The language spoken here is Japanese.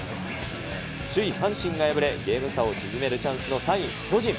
首位阪神が敗れ、ゲーム差を縮めるチャンスの３位巨人。